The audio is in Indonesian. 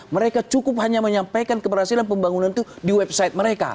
mereka cukup hanya menyampaikan keberhasilan pembangunan itu di website mereka